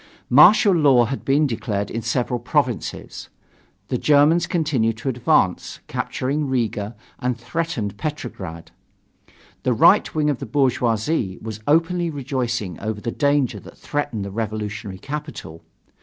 Martial law had been declared in several provinces. The Germans continued to advance, captured Riga, and threatened Petrograd. The right wing of the bourgeoisie was openly rejoicing over the danger that threatened the revolutionary capital.